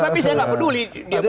tapi saya gak peduli